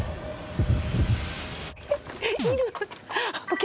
いる！